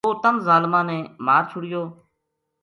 وہ تَم ظالماں نے مار چھُڑیو